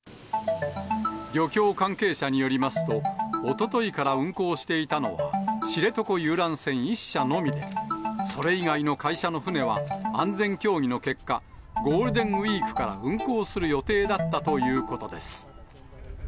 漁協関係者によりますと、おとといから運航していたのは、知床遊覧船１社のみで、それ以外の会社の船は、安全協議の結果、ゴールデンウィークから運航する予定だったということです。